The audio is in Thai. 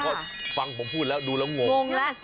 เพราะฟังผมพูดแล้วดูแล้วงงงแล้ว